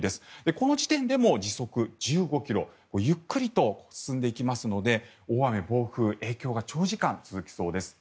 この時点でも時速１５ｋｍゆっくりと進んでいきますので大雨、暴風影響が長時間、続きそうです。